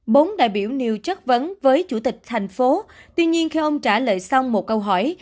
bốn đại biểu nêu chất vấn với chủ tịch thành phố tuy nhiên khi ông trả lời xong một câu hỏi